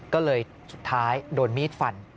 ก็เลยสุดท้ายโดนมีดฟัน